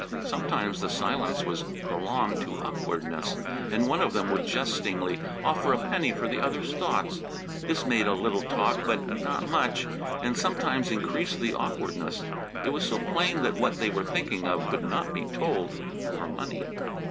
Sometimes the silence was prolonged to awkwardness, and one of them would jestingly offer a penny for the other's thoughts. This made a little talk, but not much, and sometimes increased the awkwardness; it was so plain that what they were thinking of could not be told for money.